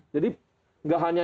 jadi nggak hanya